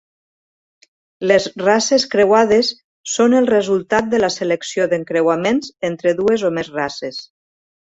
Les races creuades són el resultat de la selecció d'encreuaments entre dues o més races.